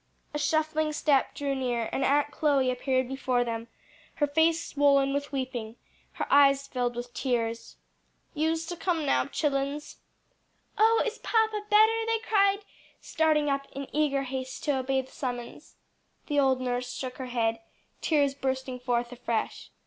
A shuffling step drew near, and Aunt Chloe appeared before them, her face swollen with weeping, her eyes filled with tears. "You's to come now, chillens." "Oh is papa better?" they cried, starting up in eager haste to obey the summons. The old nurse shook her head, tears bursting forth afresh.